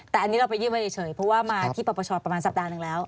แต่อันนี้เราไปยื่นไว้เฉยเพราะว่ามาที่ปปชประมาณสัปดาห์หนึ่งแล้ว